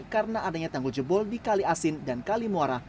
karena adanya tanggul jebol di kali asin dan kali muara